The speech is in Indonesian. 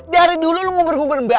dari dulu lu ngubur ngubur mbak aka